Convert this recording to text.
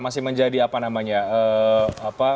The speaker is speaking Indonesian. masih menjadi apa namanya